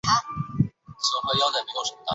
义兄为战前日本财阀三井物产创始人之一。